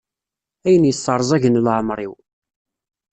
Ayen yesserẓagen leɛmeṛ-iw.